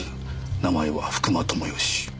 名前は福間知義。